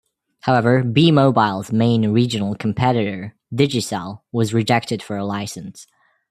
However, "b"mobile's main regional competitor, Digicel, was rejected for a licence.